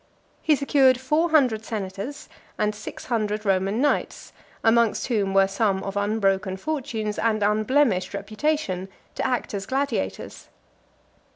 He secured four hundred senators, and six hundred Roman knights, amongst whom were some of unbroken fortunes and unblemished reputation, to act as gladiators.